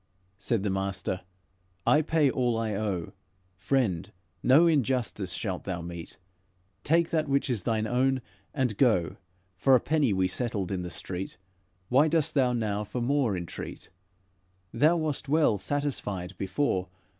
Said the master: 'I pay all I owe; Friend, no injustice shalt thou meet; Take that which is thine own and go. For a penny we settled in the street; Why dost thou now for more entreat? Thou wast well satisfied before.